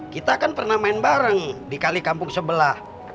kita kan pernah main bareng di kali kampung sebelah